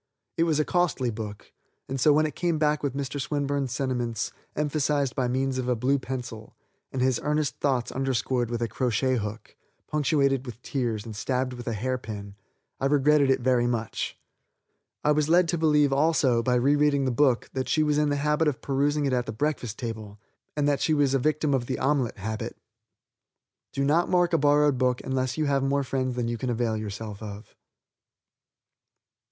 It was a costly book, and so when it came back with Mr. Swinburne's sentiments emphasized by means of a blue pencil, and his earnest thoughts underscored with a crochet hook, punctuated with tears, and stabbed with a hair pin, I regretted it very much. I was led to believe, also, by rereading the book, that she was in the habit of perusing it at the breakfast table, and that she was a victim of the omelet habit. Do not mark a borrowed book unless you have more friends than you can avail yourself of.